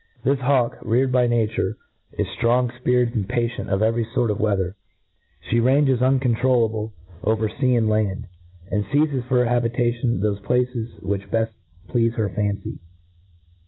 This hawk, reared by nature, is ftrong, fpirited, and patient of every fort of weather She ranges, uncontrollable, over fca and land ; and feizes for her habitation thofe places which beft pleafc her fancy.